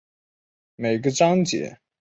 每个章节的标题显示该节的视点角色。